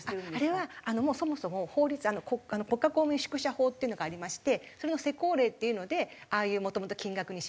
あれはもうそもそも法律国家公務員宿舎法っていうのがありましてそれの施行令っていうのでああいうもともと金額にします